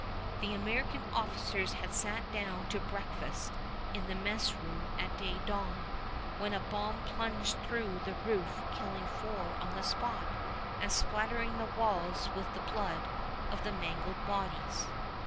The American officers had sat down to breakfast in the mess room at day dawn, when a bomb plunged through the roof killing four on the spot and spattering the walls with the blood of the mangled bodies.